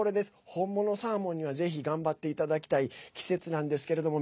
本物のサーモンにはぜひ頑張っていただきたい季節なんですけれども。